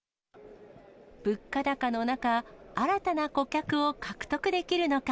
物価高の中、新たな顧客を獲得できるのか。